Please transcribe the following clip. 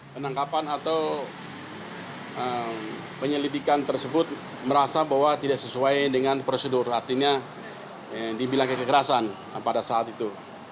penangkapan atau penyelidikan tersebut merasa bahwa tidak sesuai dengan prosedur artinya dibilang kekerasan pada saat itu